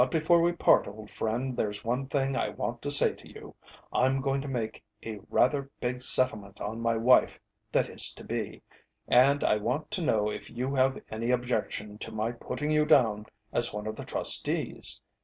But before we part, old friend, there's one thing I want to say to you. I'm going to make a rather big settlement on my wife that is to be, and I want to know if you have any objection to my putting you down as one of the trustees?